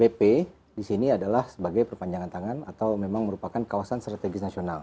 bp disini adalah sebagai perpanjangan tangan atau memang merupakan kawasan strategis nasional